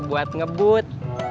udah buat ngebut